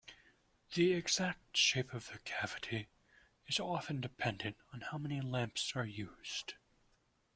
The exact shape of the cavity is often dependent on how many lamps are used.